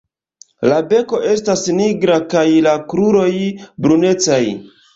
La beko estas nigra kaj la kruroj brunecaj.